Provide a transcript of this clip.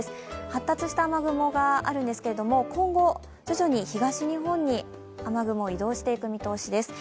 発達した雨雲があるんですけれども今後、徐々に東日本に雨雲、移動していく見通しです。